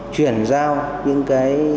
chuyển giao những